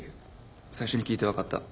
最初に聴いて分かった。